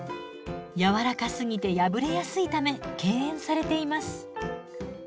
やわらかすぎて破れやすいため敬遠されています。